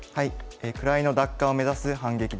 「位の奪還を目指す反撃」です。